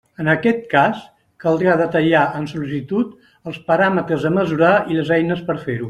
En aquest cas, caldrà detallar en la sol·licitud els paràmetres a mesurar i les eines per fer-ho.